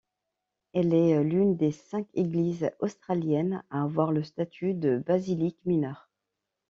Elle est l'une des cinq églises australiennes à avoir le statut de basilique mineure.